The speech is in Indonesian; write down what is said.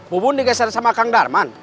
bubun digeser sama kang darman